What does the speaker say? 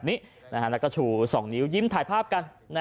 เผิดงานไปสัมภาษณ์ยิ้มกุ้มกริมกันซะ